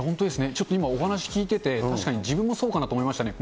ちょっと今、お話聞いてて、確かに自分もそうかなと思いましたね。